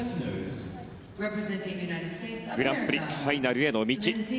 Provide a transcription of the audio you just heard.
グランプリファイナルへの道